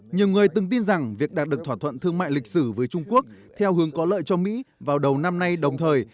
nhiều người từng tin rằng việc đạt được thỏa thuận thương mại lịch sử với trung quốc theo hướng có lợi cho mỹ vào đầu năm nay đồng thời